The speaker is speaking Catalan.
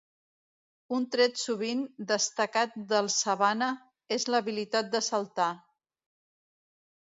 Un tret sovint destacat del Savannah és l'habilitat de saltar.